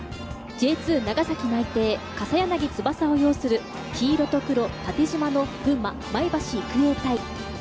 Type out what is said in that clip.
Ｊ２長崎内定・笠柳翼を擁する黄色と黒、縦じまの群馬・前橋育英対